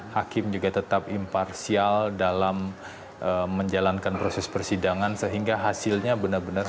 hakim juga tetap imparsial dalam menjalankan proses persidangan sehingga hasilnya benar benar